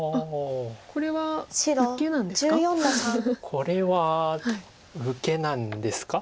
これは受けなんですか？